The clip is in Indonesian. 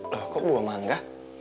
loh kok buah mangga